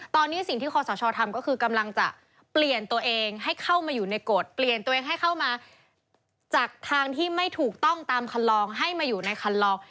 ตอนนี้สิ่งที่คอสชทำก็คือกำลังจะเปลี่ยนตัวเองให้เข้ามาอยู่ในกฎเปลี่ยนตัวเองให้เข้ามาจากทางที่ไม่ถูกต้องตามคันลองให้มาอยู่ในคันลอง